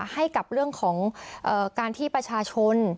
ให้กับเรื่องของการที่ประชาชน